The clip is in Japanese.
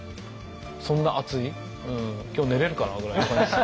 そんな熱い今日寝れるかな？ぐらいの感じです。